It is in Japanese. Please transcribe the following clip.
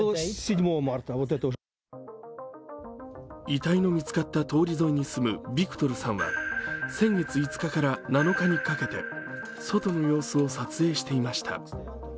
遺体の見つかった通り沿いに住むビクトルさんは先月５日から７日にかけて外の様子を撮影していました。